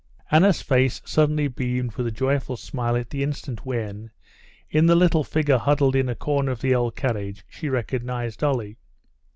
Anna's face suddenly beamed with a joyful smile at the instant when, in the little figure huddled in a corner of the old carriage, she recognized Dolly.